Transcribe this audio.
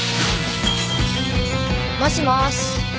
もしもーし？